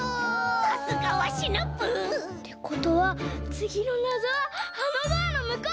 さすがはシナプー！ってことはつぎのなぞはあのドアのむこう！